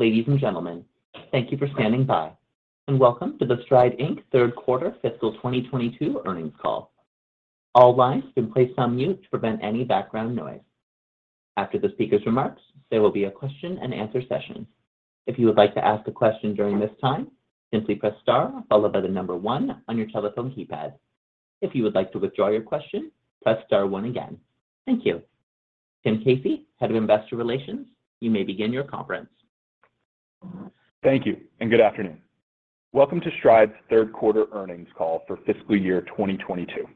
Ladies and gentlemen, thank you for standing by, and welcome to the Stride, Inc. third quarter fiscal 2022 earnings call. All lines have been placed on mute to prevent any background noise. After the speaker's remarks, there will be a question and answer session. If you would like to ask a question during this time, simply press star followed by the number one on your telephone keypad. If you would like to withdraw your question, press star one again. Thank you. Tim Casey, Head of Investor Relations, you may begin your conference. Thank you and good afternoon. Welcome to Stride's third quarter earnings call for fiscal year 2022.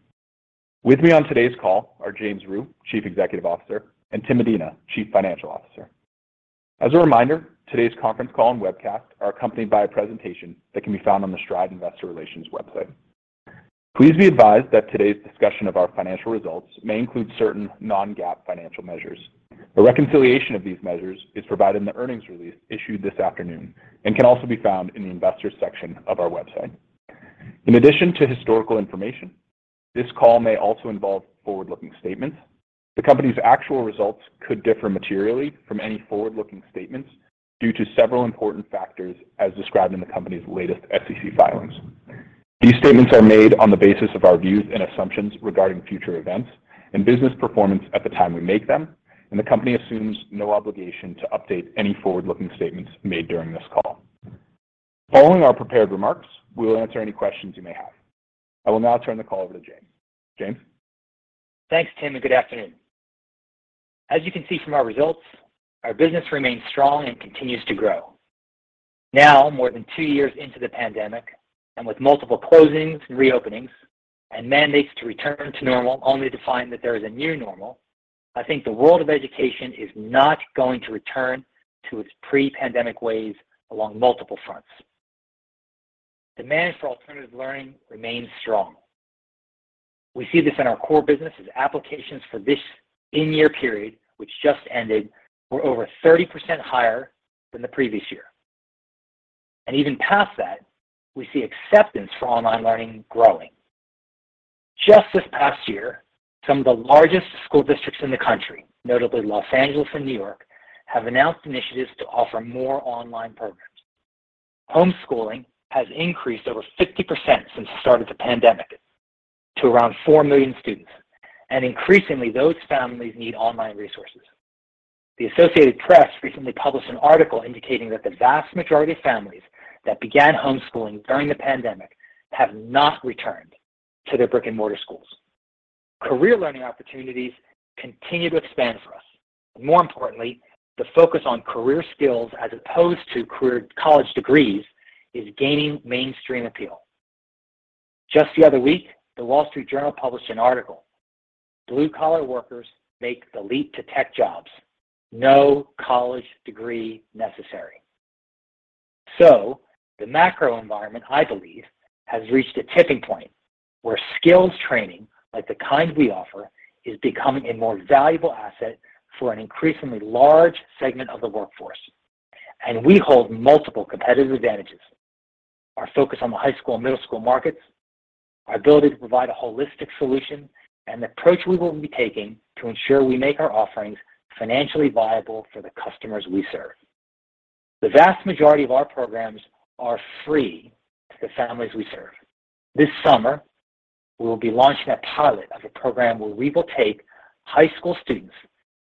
With me on today's call are James Rhyu, Chief Executive Officer, and Donna Blackman, Chief Financial Officer. As a reminder, today's conference call and webcast are accompanied by a presentation that can be found on the Stride Investor Relations website. Please be advised that today's discussion of our financial results may include certain non-GAAP financial measures. A reconciliation of these measures is provided in the earnings release issued this afternoon and can also be found in the investors section of our website. In addition to historical information, this call may also involve forward-looking statements. The company's actual results could differ materially from any forward-looking statements due to several important factors as described in the company's latest SEC filings. These statements are made on the basis of our views and assumptions regarding future events and business performance at the time we make them, and the company assumes no obligation to update any forward-looking statements made during this call. Following our prepared remarks, we will answer any questions you may have. I will now turn the call over to James. James? Thanks, Tim, and good afternoon. As you can see from our results, our business remains strong and continues to grow. Now, more than two years into the pandemic and with multiple closings and reopenings and mandates to return to normal only to find that there is a new normal, I think the world of education is not going to return to its pre-pandemic ways along multiple fronts. Demand for alternative learning remains strong. We see this in our core business as applications for this in-year period, which just ended, were over 30% higher than the previous year. Even past that, we see acceptance for online learning growing. Just this past year, some of the largest school districts in the country, notably Los Angeles and New York, have announced initiatives to offer more online programs. Homeschooling has increased over 50% since the start of the pandemic to around four million students, and increasingly, those families need online resources. The Associated Press recently published an article indicating that the vast majority of families that began homeschooling during the pandemic have not returned to their brick-and-mortar schools. Career Learning opportunities continue to expand for us. More importantly, the focus on career skills as opposed to career college degrees is gaining mainstream appeal. Just the other week, The Wall Street Journal published an article, "Blue-collar workers make the leap to tech jobs. No college degree necessary." The macro environment, I believe, has reached a tipping point where skills training, like the kind we offer, is becoming a more valuable asset for an increasingly large segment of the workforce. We hold multiple competitive advantages. Our focus on the high school and middle school markets, our ability to provide a holistic solution, and the approach we will be taking to ensure we make our offerings financially viable for the customers we serve. The vast majority of our programs are free to the families we serve. This summer, we will be launching a pilot of a program where we will take high school students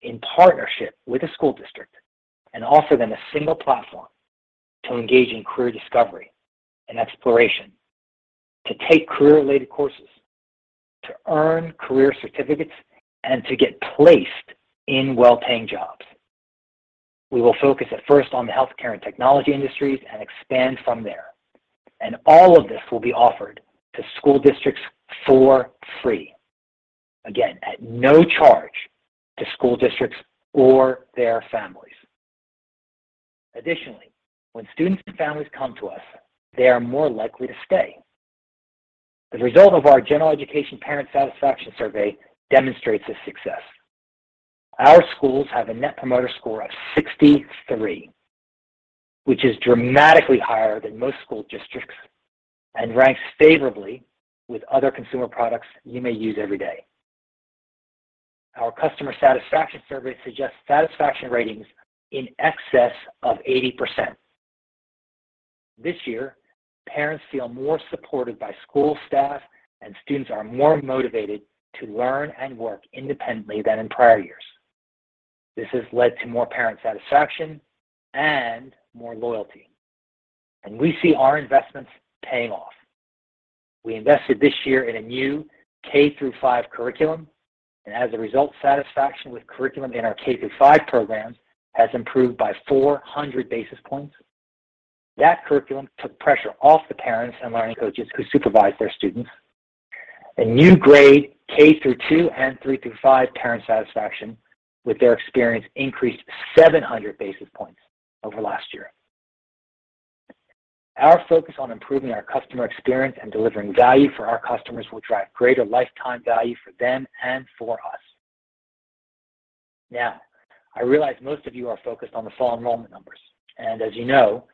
in partnership with the school district and offer them a single platform to engage in career discovery and exploration, to take career-related courses, to earn career certificates, and to get placed in well-paying jobs. We will focus at first on the healthcare and technology industries and expand from there. All of this will be offered to school districts for free. Again, at no charge to school districts or their families. Additionally, when students and families come to us, they are more likely to stay. The result of our General Education parent satisfaction survey demonstrates this success. Our schools have a Net Promoter Score of 63, which is dramatically higher than most school districts and ranks favorably with other consumer products you may use every day. Our customer satisfaction survey suggests satisfaction ratings in excess of 80%. This year, parents feel more supported by school staff, and students are more motivated to learn and work independently than in prior years. This has led to more parent satisfaction and more loyalty. We see our investments paying off. We invested this year in a new K through five curriculum, and as a result, satisfaction with curriculum in our K through five programs has improved by 400 basis points. That curriculum took pressure off the parents and learning coaches who supervise their students. A new grade K through two and three through five parent satisfaction with their experience increased 700 basis points over last year. Our focus on improving our customer experience and delivering value for our customers will drive greater lifetime value for them and for us. Now, I realize most of you are focused on the fall enrollment numbers, and as you know,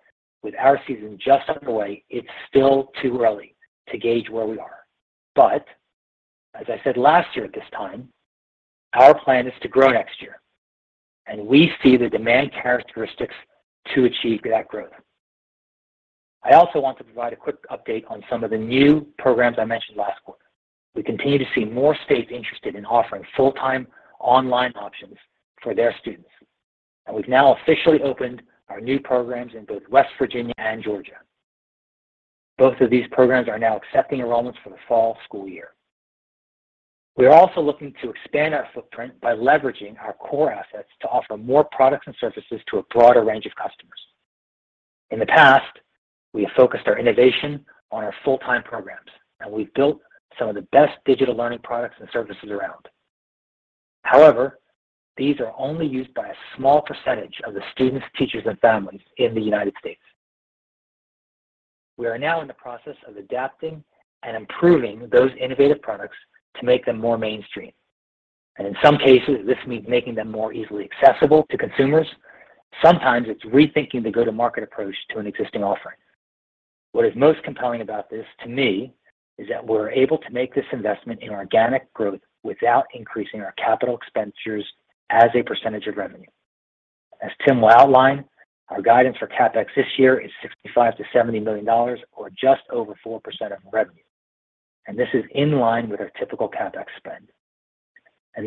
with our season just underway, it's still too early to gauge where we are. As I said last year at this time, our plan is to grow next year, and we see the demand characteristics to achieve that growth. I also want to provide a quick update on some of the new programs I mentioned last quarter. We continue to see more states interested in offering full-time online options for their students, and we've now officially opened our new programs in both West Virginia and Georgia. Both of these programs are now accepting enrollments for the fall school year. We are also looking to expand our footprint by leveraging our core assets to offer more products and services to a broader range of customers. In the past, we have focused our innovation on our full-time programs, and we've built some of the best digital learning products and services around. However, these are only used by a small percentage of the students, teachers, and families in the United States. We are now in the process of adapting and improving those innovative products to make them more mainstream. In some cases, this means making them more easily accessible to consumers. Sometimes it's rethinking the go-to-market approach to an existing offering. What is most compelling about this to me is that we're able to make this investment in organic growth without increasing our capital expenditures as a percentage of revenue. As Tim will outline, our guidance for CapEx this year is $65 million-$70 million, or just over 4% of revenue, and this is in line with our typical CapEx spend.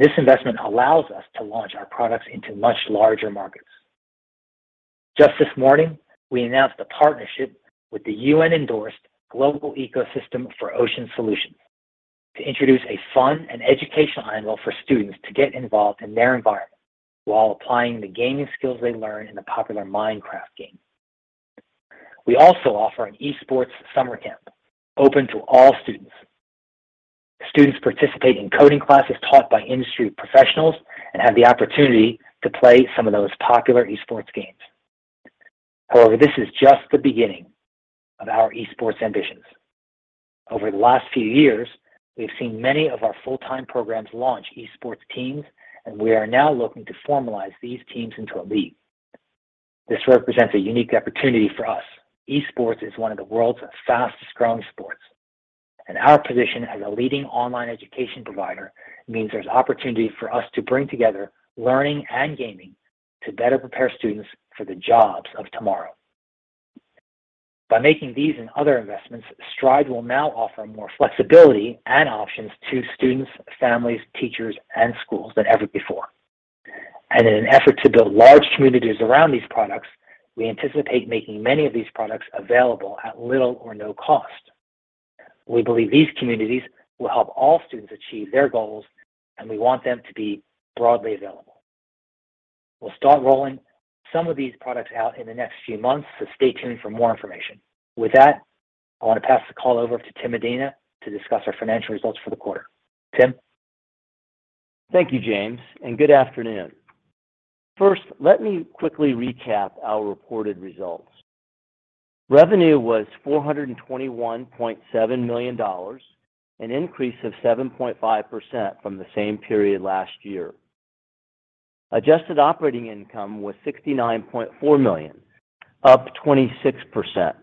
This investment allows us to launch our products into much larger markets. Just this morning, we announced a partnership with the UN-endorsed Global Ecosystem for Ocean Solutions to introduce a fun and educational angle for students to get involved in their environment while applying the gaming skills they learn in the popular Minecraft game. We also offer an esports summer camp open to all students. Students participate in coding classes taught by industry professionals and have the opportunity to play some of those popular esports games. However, this is just the beginning of our esports ambitions. Over the last few years, we've seen many of our full-time programs launch esports teams, and we are now looking to formalize these teams into a league. This represents a unique opportunity for us. Esports is one of the world's fastest-growing sports, and our position as a leading online education provider means there's opportunity for us to bring together learning and gaming to better prepare students for the jobs of tomorrow. By making these and other investments, Stride will now offer more flexibility and options to students, families, teachers, and schools than ever before. In an effort to build large communities around these products, we anticipate making many of these products available at little or no cost. We believe these communities will help all students achieve their goals, and we want them to be broadly available. We'll start rolling some of these products out in the next few months, so stay tuned for more information. With that, I want to pass the call over to Donna Blackman to discuss our financial results for the quarter. Donna. Thank you, James, and good afternoon. First, let me quickly recap our reported results. Revenue was $421.7 million, an increase of 7.5% from the same period last year. Adjusted operating income was $69.4 million, up 26%.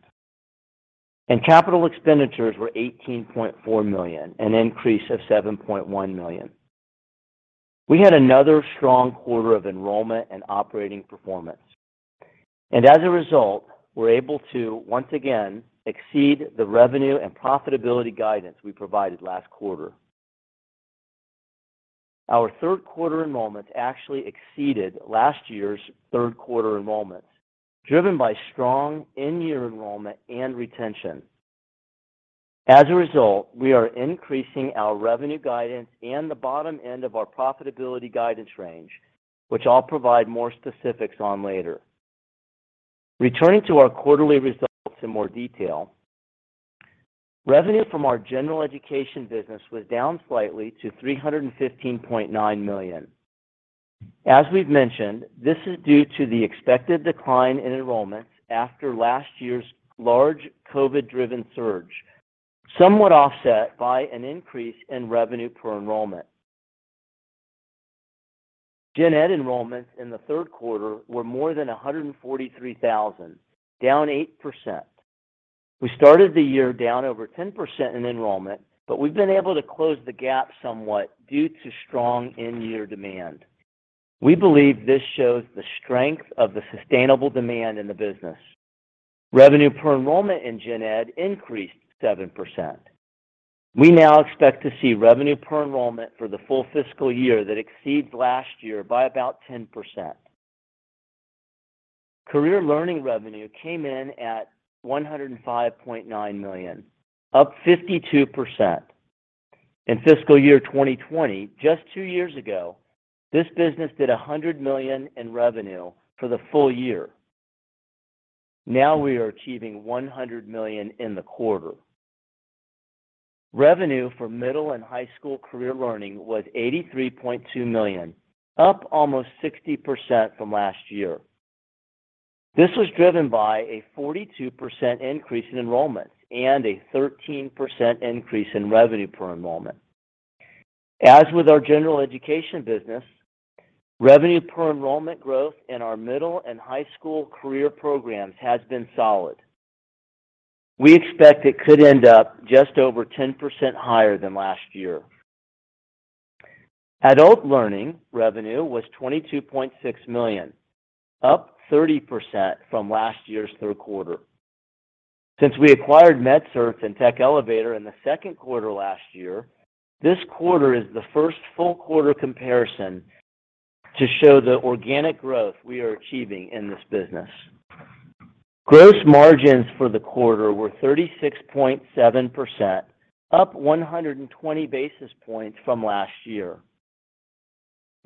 Capital expenditures were $18.4 million, an increase of $7.1 million. We had another strong quarter of enrollment and operating performance. As a result, we're able to once again exceed the revenue and profitability guidance we provided last quarter. Our third quarter enrollment actually exceeded last year's third quarter enrollment, driven by strong in-year enrollment and retention. As a result, we are increasing our revenue guidance and the bottom end of our profitability guidance range, which I'll provide more specifics on later. Returning to our quarterly results in more detail, revenue from our General Education business was down slightly to $315.9 million. As we've mentioned, this is due to the expected decline in enrollment after last year's large COVID-driven surge, somewhat offset by an increase in revenue per enrollment. Gen-Ed enrollments in the third quarter were more than 143,000, down 8%. We started the year down over 10% in enrollment, but we've been able to close the gap somewhat due to strong in-year demand. We believe this shows the strength of the sustainable demand in the business. Revenue per enrollment in Gen Ed increased 7%. We now expect to see revenue per enrollment for the full fiscal year that exceeds last year by about 10%. Career Learning revenue came in at $105.9 million, up 52%. In fiscal year 2020, just two years ago, this business did $100 million in revenue for the full year. Now we are achieving $100 million in the quarter. Revenue for middle and high school Career Learning was $83.2 million, up almost 60% from last year. This was driven by a 42% increase in enrollment and a 13% increase in revenue per enrollment. As with our General Education business, revenue per enrollment growth in our middle and high school Career Learning programs has been solid. We expect it could end up just over 10% higher than last year. Adult Learning revenue was $22.6 million, up 30% from last year's third quarter. Since we acquired MedCerts and Tech Elevator in the second quarter last year, this quarter is the first full quarter comparison to show the organic growth we are achieving in this business. Gross margins for the quarter were 36.7%, up 120 basis points from last year.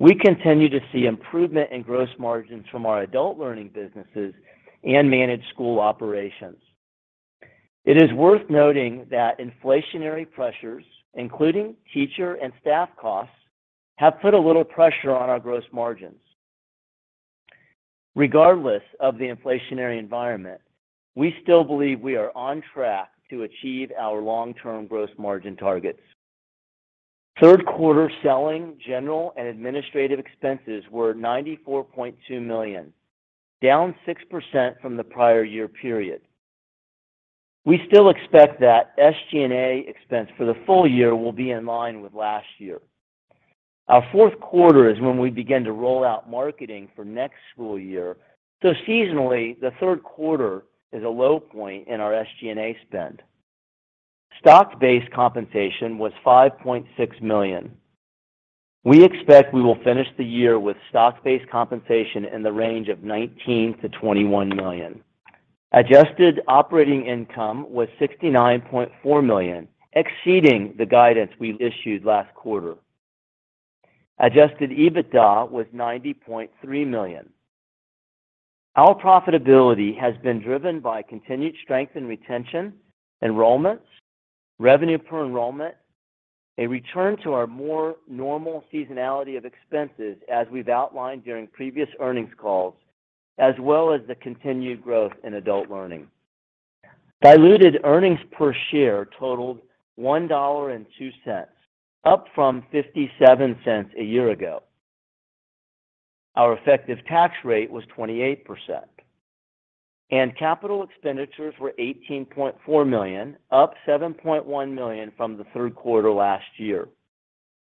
We continue to see improvement in gross margins from our Adult Learning businesses and managed school operations. It is worth noting that inflationary pressures, including teacher and staff costs, have put a little pressure on our gross margins. Regardless of the inflationary environment, we still believe we are on track to achieve our long-term gross margin targets. Third quarter selling, general, and administrative expenses were $94.2 million, down 6% from the prior year period. We still expect that SG&A expense for the full year will be in line with last year. Our fourth quarter is when we begin to roll out marketing for next school year. Seasonally, the third quarter is a low point in our SG&A spend. Stock-based compensation was $5.6 million. We expect we will finish the year with stock-based compensation in the range of $19 million-$21 million. Adjusted operating income was $69.4 million, exceeding the guidance we issued last quarter. Adjusted EBITDA was $90.3 million. Our profitability has been driven by continued strength in retention, enrollments, revenue per enrollment, a return to our more normal seasonality of expenses as we've outlined during previous earnings calls, as well as the continued growth in Adult Learning. Diluted earnings per share totaled $1.02, up from $0.57 a year ago. Our effective tax rate was 28%. Capital expenditures were $18.4 million, up $7.1 million from the third quarter last year.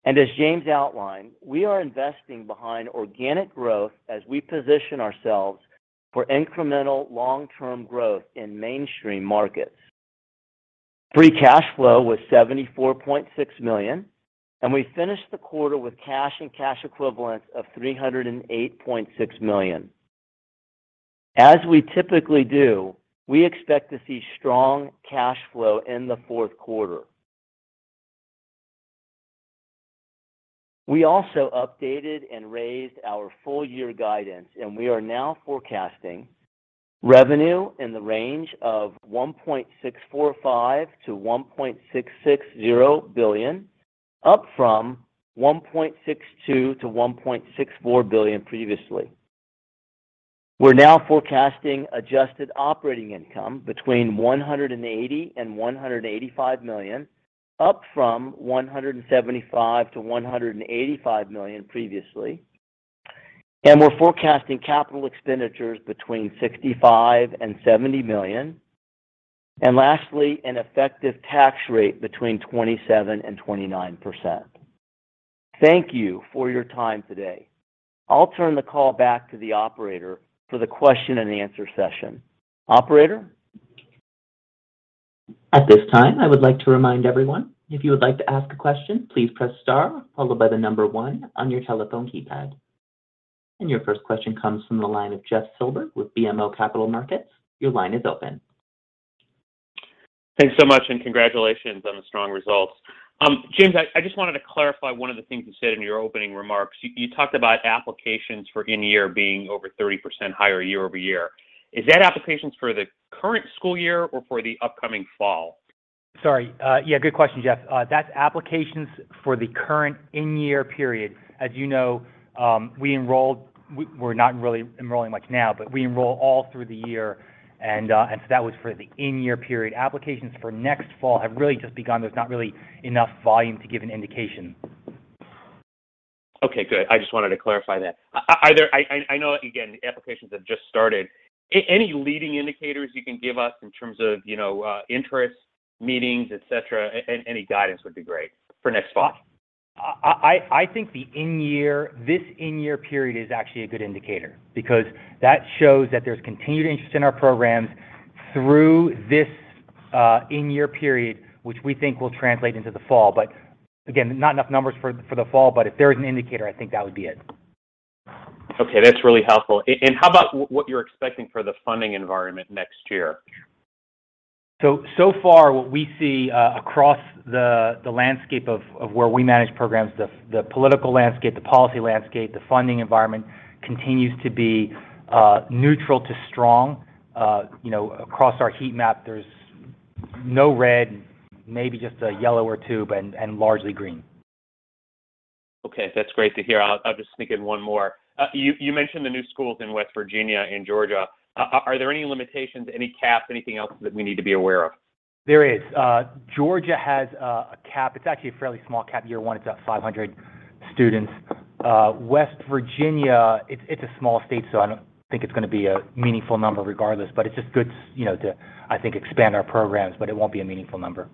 As James outlined, we are investing behind organic growth as we position ourselves for incremental long-term growth in mainstream markets. Free cash flow was $74.6 million, and we finished the quarter with cash and cash equivalents of $308.6 million. As we typically do, we expect to see strong cash flow in the fourth quarter. We also updated and raised our full-year guidance, and we are now forecasting revenue in the range of $1.645 billion-$1.660 billion, up from $1.62 billion-$1.64 billion previously. We're now forecasting adjusted operating income between $180 million-$185 million, up from $175 million-$185 million previously. We're forecasting capital expenditures between $65 million-$70 million. Lastly, an effective tax rate between 27%-29%. Thank you for your time today. I'll turn the call back to the operator for the question and answer session. Operator? At this time, I would like to remind everyone, if you would like to ask a question, please press star followed by the number one on your telephone keypad. Your first question comes from the line of Jeff Silber with BMO Capital Markets. Your line is open. Thanks so much, and congratulations on the strong results. James, I just wanted to clarify one of the things you said in your opening remarks. You talked about applications for in-year being over 30% higher year-over-year. Is that applications for the current school year or for the upcoming fall? Sorry. Yeah, good question, Jeff. That's applications for the current in-year period. As you know, we enroll. We're not really enrolling much now, but we enroll all through the year, and so that was for the in-year period. Applications for next fall have really just begun. There's not really enough volume to give an indicaion. Okay, good. I just wanted to clarify that. I know, again, the applications have just started. Any leading indicators you can give us in terms of, you know, interest, meetings, et cetera, any guidance would be great for next fall. I think the in-year, this in-year period is actually a good indicator because that shows that there's continued interest in our programs through this in-year period, which we think will translate into the fall. Again, not enough numbers for the fall, but if there is an indicator, I think that would be it. Okay, that's really helpful. How about what you're expecting for the funding environment next year? So far, what we see across the landscape of where we manage programs, the political landscape, the policy landscape, the funding environment continues to be neutral to strong. You know, across our heat map, there's no red, maybe just a yellow or two, but largely green. Okay, that's great to hear. I'll just sneak in one more. You mentioned the new schools in West Virginia and Georgia. Are there any limitations, any caps, anything else that we need to be aware of? There is. Georgia has a cap. It's actually a fairly small cap. Year one, it's about 500 students. West Virginia, it's a small state, so I don't think it's gonna be a meaningful number regardless. But it's just good, you know, to, I think, expand our programs, but it won't be a meaningful number.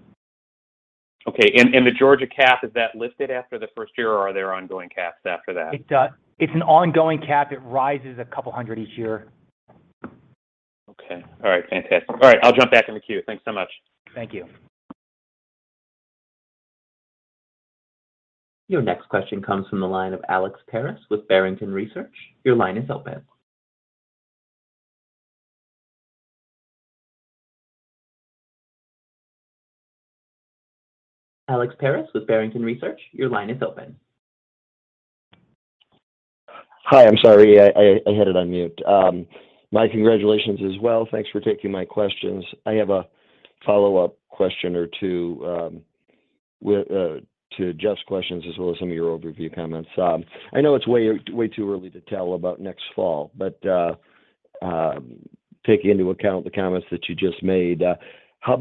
Okay. The Georgia cap, is that lifted after the first year, or are there ongoing caps after that? It's an ongoing cap. It rises 200 each year. Okay. All right. Fantastic. All right, I'll jump back in the queue. Thanks so much. Thank you. Your next question comes from the line of Alex Paris with Barrington Research. Your line is open. Alex Paris with Barrington Research, your line is open. Hi. I'm sorry. I had it on mute. My congratulations as well. Thanks for taking my questions. I have a follow-up question or two to Jeff's questions, as well as some of your overview comments. I know it's way too early to tell about next fall, but taking into account the comments that you just made, I'd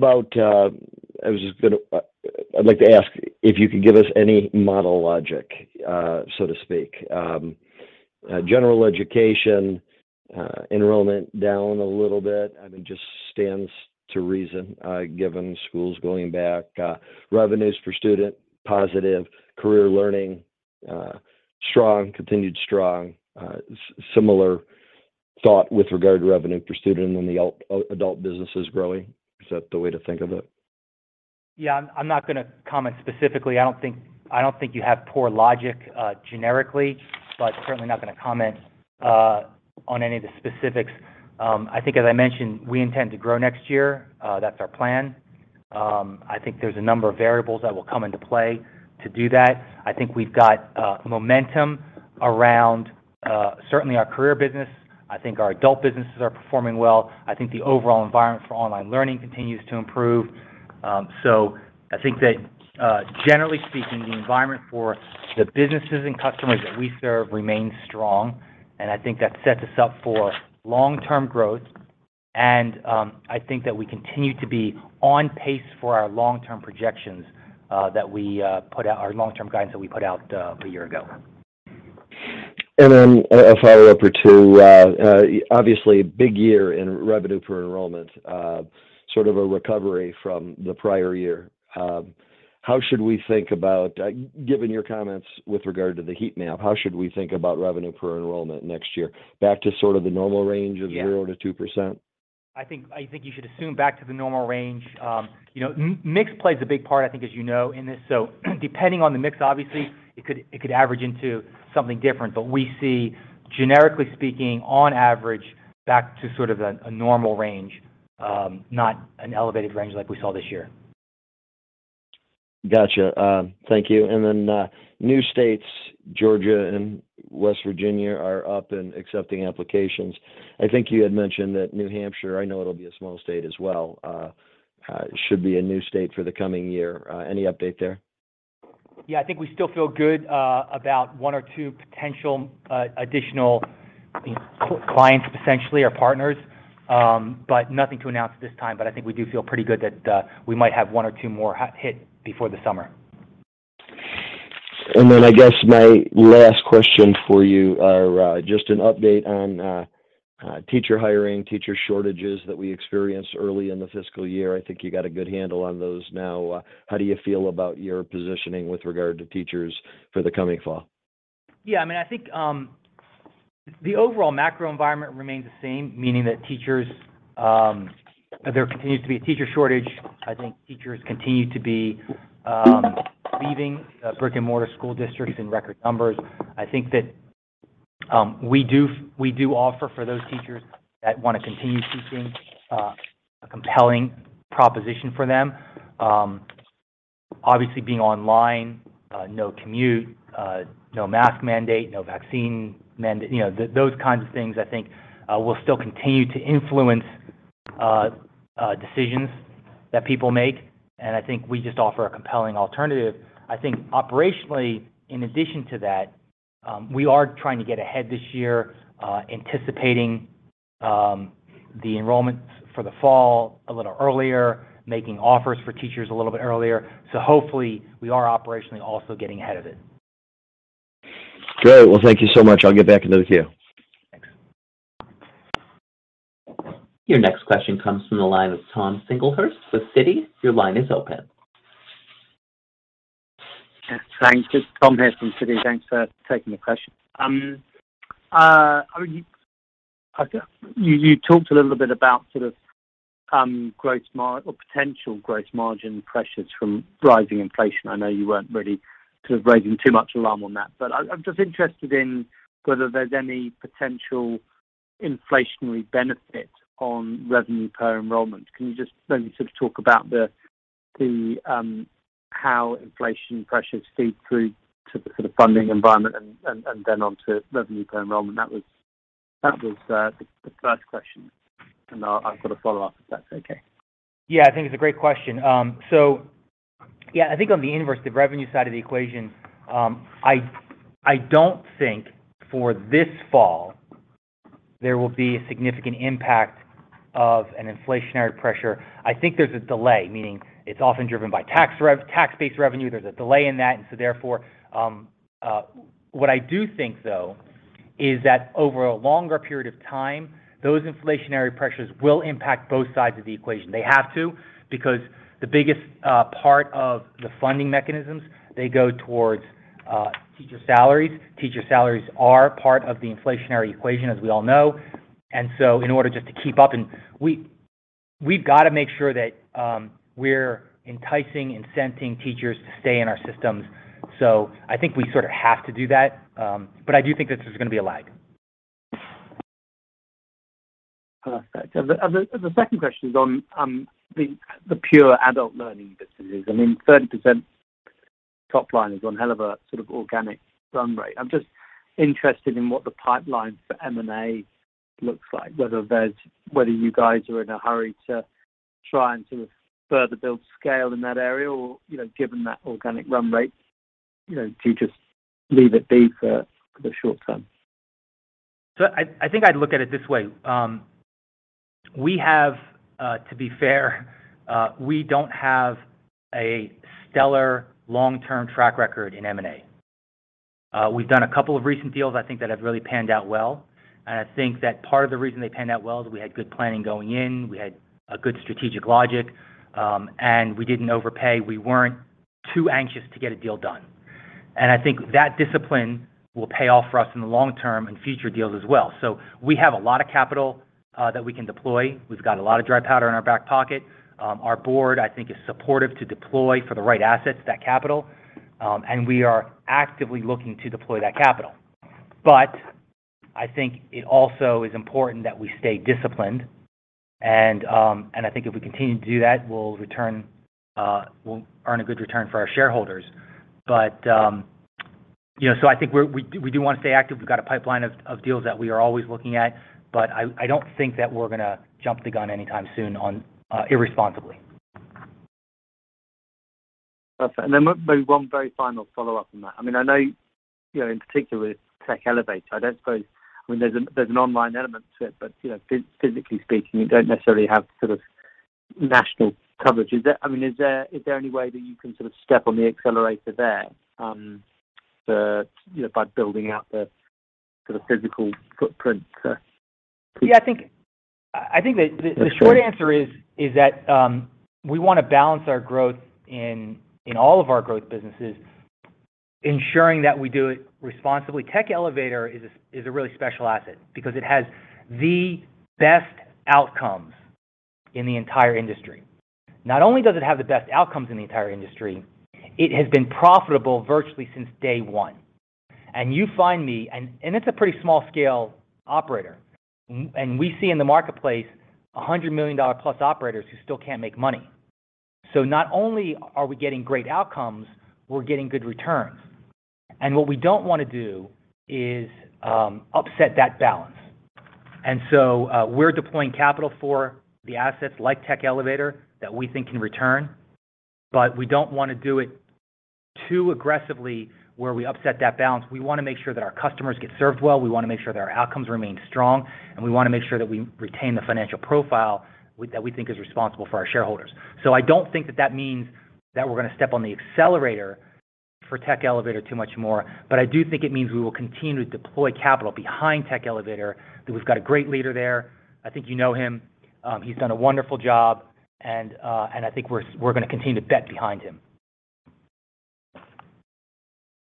like to ask if you could give us any model logic, so to speak. General Education enrollment down a little bit, I mean, just stands to reason, given schools going back. Revenues per student, positive. Career Learning, strong, continued strong. Similar thought with regard to revenue per student and the adult business is growing. Is that the way to think of it? Yeah, I'm not gonna comment specifically. I don't think you have poor logic generally, but certainly not gonna comment on any of the specifics. I think as I mentioned, we intend to grow next year. That's our plan. I think there's a number of variables that will come into play to do that. I think we've got momentum around certainly our career business. I think our adult businesses are performing well. I think the overall environment for online learning continues to improve. I think that generally speaking, the environment for the businesses and customers that we serve remains strong, and I think that sets us up for long-term growth. I think that we continue to be on pace for our long-term projections that we put out. Our long-term guidance that we put out a year ago. Then a follow-up or two. Obviously, big year in revenue per enrollment. Sort of a recovery from the prior year. How should we think about, given your comments with regard to the heat map, how should we think about revenue per enrollment next year? Back to sort of the normal range? Yeah. -of zero to two percent? I think you should assume back to the normal range. You know, mix plays a big part, I think as you know, in this. Depending on the mix, obviously, it could average into something different. We see, generically speaking, on average, back to sort of a normal range, not an elevated range like we saw this year. Gotcha. Thank you. New states, Georgia and West Virginia are up and accepting applications. I think you had mentioned that New Hampshire, I know it'll be a small state as well, should be a new state for the coming year. Any update there? Yeah, I think we still feel good about one or two potential additional, you know, clients, essentially, or partners. Nothing to announce at this time. I think we do feel pretty good that we might have one or two more hit before the summer. I guess my last question for you, just an update on teacher hiring, teacher shortages that we experienced early in the fiscal year. I think you got a good handle on those now. How do you feel about your positioning with regard to teachers for the coming fall? Yeah, I mean, I think the overall macro environment remains the same, meaning that there continues to be a teacher shortage. I think teachers continue to be leaving brick-and-mortar school districts in record numbers. I think that we do offer, for those teachers that wanna continue teaching, a compelling proposition for them. Obviously being online, no commute, no mask mandate, no vaccine mandate, you know, those kinds of things, I think, will still continue to influence decisions that people make, and I think we just offer a compelling alternative. I think operationally, in addition to that, we are trying to get ahead this year, anticipating the enrollments for the fall a little earlier, making offers for teachers a little bit earlier. Hopefully, we are operationally also getting ahead of it. Great. Well, thank you so much. I'll get back into the queue. Thanks. Your next question comes from the line of Tom Singlehurst with Citi. Your line is open. Yes, thanks. It's Tom here from Citi. Thanks for taking the question. You talked a little bit about sort of or potential gross margin pressures from rising inflation. I know you weren't really sort of raising too much alarm on that. I'm just interested in whether there's any potential inflationary benefit on revenue per enrollment. Can you just maybe sort of talk about the how inflation pressures feed through to the sort of funding environment and then onto revenue per enrollment? That was the first question. I've got a follow-up if that's okay. Yeah, I think it's a great question. So yeah, I think on the inverse, the revenue side of the equation, I don't think for this fall there will be a significant impact of an inflationary pressure. I think there's a delay, meaning it's often driven by tax-based revenue. There's a delay in that, and so therefore, what I do think though is that over a longer period of time, those inflationary pressures will impact both sides of the equation. They have to because the biggest part of the funding mechanisms, they go towards teacher salaries. Teacher salaries are part of the inflationary equation, as we all know. So in order just to keep up and we've got to make sure that we're enticing, incenting teachers to stay in our systems. I think we sort of have to do that, but I do think this is gonna be a lag. Perfect. The second question is on the pure Adult Learning businesses. I mean, 30% top line is one hell of a sort of organic run rate. I'm just interested in what the pipeline for M&A looks like, whether you guys are in a hurry to try and sort of further build scale in that area or, you know, given that organic run rate, you know, do you just leave it be for the short term? I think I'd look at it this way. To be fair, we don't have a stellar long-term track record in M&A. We've done a couple of recent deals I think that have really panned out well. I think that part of the reason they panned out well is we had good planning going in, we had a good strategic logic, and we didn't overpay. We weren't too anxious to get a deal done. I think that discipline will pay off for us in the long term and future deals as well. We have a lot of capital that we can deploy. We've got a lot of dry powder in our back pocket. Our board, I think, is supportive to deploy for the right assets, that capital. We are actively looking to deploy that capital. I think it also is important that we stay disciplined, and I think if we continue to do that, we'll earn a good return for our shareholders. You know, I think we do want to stay active. We've got a pipeline of deals that we are always looking at. I don't think that we're gonna jump the gun anytime soon on irresponsibly. Perfect. One very final follow-up on that. I mean, I know, you know, in particular with Tech Elevator, I mean, there's an online element to it, but, you know, physically speaking, you don't necessarily have sort of national coverage. I mean, is there any way that you can sort of step on the accelerator there, for, you know, by building out the sort of physical footprint? Yeah, I think that the short answer is that we want to balance our growth in all of our growth businesses, ensuring that we do it responsibly. Tech Elevator is a really special asset because it has the best outcomes in the entire industry. Not only does it have the best outcomes in the entire industry, it has been profitable virtually since day one. You find me, and it's a pretty small scale operator. We see in the marketplace $100 million-plus operators who still can't make money. Not only are we getting great outcomes, we're getting good returns. What we don't want to do is upset that balance. We're deploying capital for the assets like Tech Elevator that we think can return, but we don't want to do it too aggressively where we upset that balance. We want to make sure that our customers get served well. We want to make sure that our outcomes remain strong. We want to make sure that we retain the financial profile that we think is responsible for our shareholders. I don't think that means that we're going to step on the accelerator for Tech Elevator too much more. I do think it means we will continue to deploy capital behind Tech Elevator, that we've got a great leader there. I think you know him. He's done a wonderful job. I think we're going to continue to bet behind him.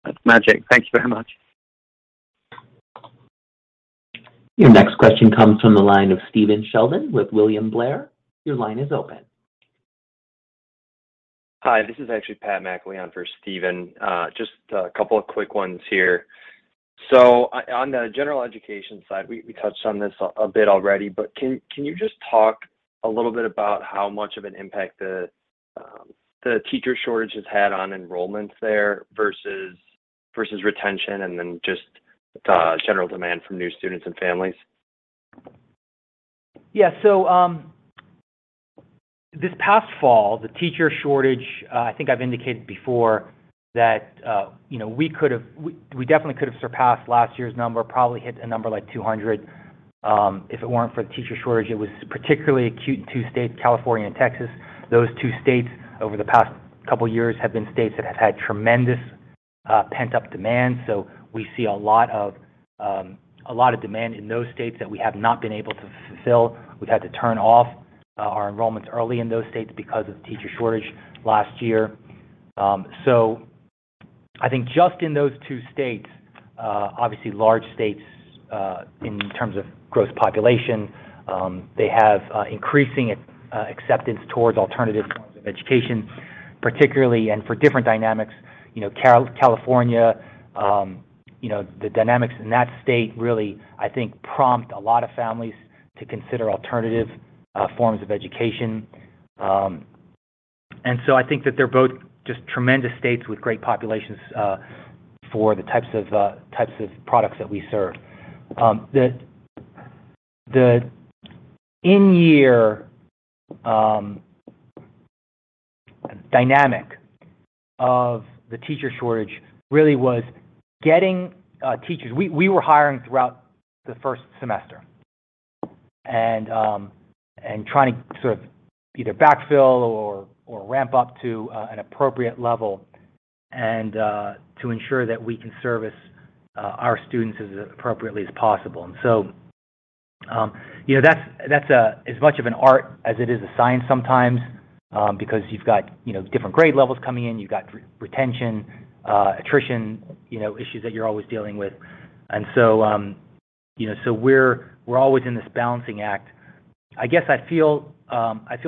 That's magic. Thank you very much. Your next question comes from the line of Stephen Sheldon with William Blair. Your line is open. Hi, this is actually Patrick McIlwee for Stephen Sheldon. Just a couple of quick ones here. On the General Education side, we touched on this a bit already, but can you just talk a little bit about how much of an impact the teacher shortage has had on enrollments there versus retention and then just general demand from new students and families? Yeah. This past fall, the teacher shortage, I think I've indicated before that, you know, we definitely could have surpassed last year's number, probably hit a number like 200, if it weren't for the teacher shortage. It was particularly acute in two states, California and Texas. Those two states over the past couple years have been states that have had tremendous, pent-up demand. We see a lot of demand in those states that we have not been able to fulfill. We've had to turn off our enrollments early in those states because of the teacher shortage last year. I think just in those two states, obviously large states, in terms of growth population, they have increasing acceptance toward alternative forms of education, particularly and for different dynamics. You know, California, you know, the dynamics in that state really, I think, prompt a lot of families to consider alternative forms of education. I think that they're both just tremendous states with great populations, for the types of products that we serve. The in-year dynamic of the teacher shortage really was getting teachers. We were hiring throughout the first semester and trying to sort of either backfill or ramp up to an appropriate level and to ensure that we can service our students as appropriately as possible. You know, that's as much of an art as it is a science sometimes, because you've got, you know, different grade levels coming in. You've got retention, attrition, you know, issues that you're always dealing with. You know, we're always in this balancing act. I guess I feel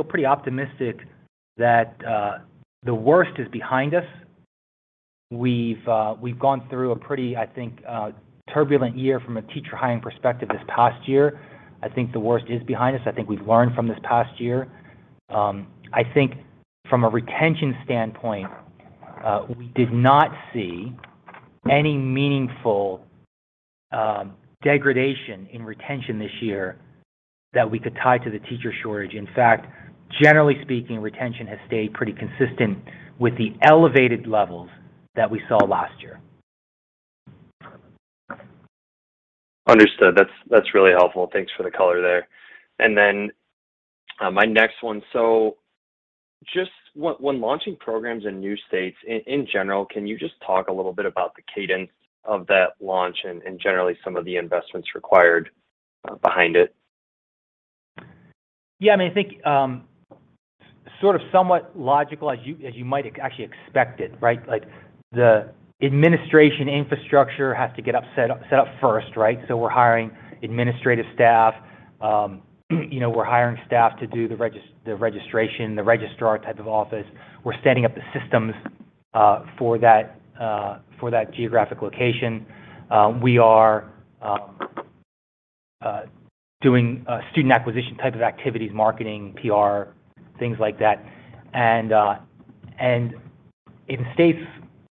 pretty optimistic that the worst is behind us. We've gone through a pretty, I think, turbulent year from a teacher hiring perspective this past year. I think the worst is behind us. I think we've learned from this past year. I think from a retention standpoint, we did not see any meaningful degradation in retention this year that we could tie to the teacher shortage. In fact, generally speaking, retention has stayed pretty consistent with the elevated levels that we saw last year. Understood. That's really helpful. Thanks for the color there. Then, my next one. Just when launching programs in new states in general, can you just talk a little bit about the cadence of that launch and generally some of the investments required behind it? Yeah, I mean, I think, sort of somewhat logical as you might actually expect it, right? Like the administration infrastructure has to get set up first, right? We're hiring administrative staff. You know, we're hiring staff to do the registration, the registrar type of office. We're setting up the systems for that geographic location. We are doing student acquisition type of activities, marketing, PR, things like that. In states,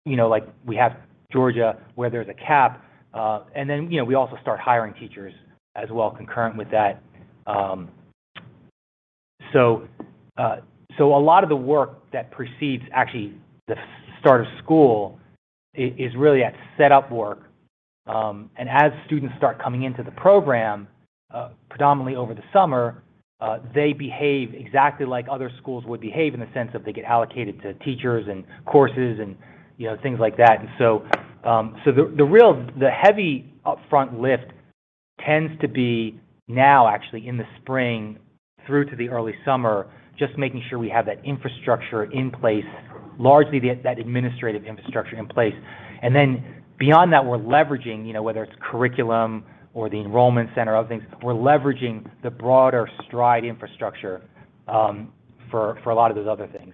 you know, like we have Georgia where there's a cap, and then, you know, we also start hiring teachers as well concurrent with that. A lot of the work that precedes actually the start of school is really a set up work. As students start coming into the program, predominantly over the summer, they behave exactly like other schools would behave in the sense that they get allocated to teachers and courses and, you know, things like that. The real heavy upfront lift tends to be now actually in the spring through to the early summer, just making sure we have that infrastructure in place, largely that administrative infrastructure in place. Beyond that, we're leveraging, you know, whether it's curriculum or the enrollment center, other things, we're leveraging the broader Stride infrastructure, for a lot of those other things.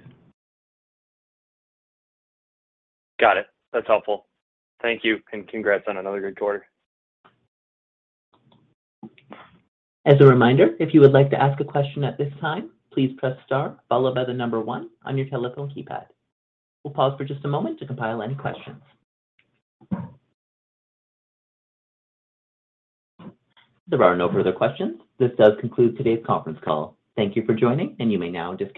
Got it. That's helpful. Thank you, and congrats on another good quarter. As a reminder, if you would like to ask a question at this time, please press star followed by one on your telephone keypad. We'll pause for just a moment to compile any questions. If there are no further questions, this does conclude today's conference call. Thank you for joining, and you may now disconnect.